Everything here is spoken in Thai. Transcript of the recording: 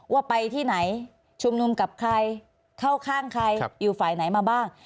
ว่าไปที่ไหนชุมนุมกับใครเข้าข้างใครอยู่ฝ่ายไหนมาบ้าง